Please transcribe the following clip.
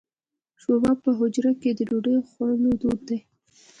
شوروا په حجرو کې د ډوډۍ خوړلو دود دی.